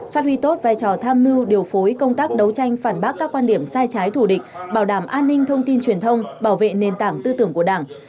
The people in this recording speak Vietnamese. phát huy tốt vai trò tham mưu điều phối công tác đấu tranh phản bác các quan điểm sai trái thủ địch bảo đảm an ninh thông tin truyền thông bảo vệ nền tảng tư tưởng của đảng